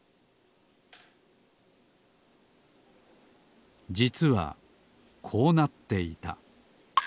じつはこうなっていた